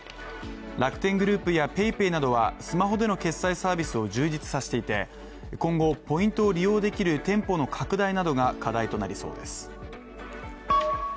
楽天グループやＰａｙＰａｙなどはスマホでの決済サービスを充実させていて今後、ポイントを利用できる店舗の拡大などが課題となりそうです。